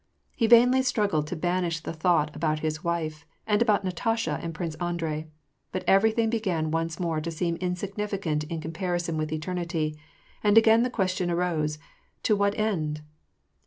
He vainly struggled to banish the thought about his wife, and about Natasha and Prince Andrei. But everything began once more to seem in significant in comparison with eternity, and again the question arose, " To what end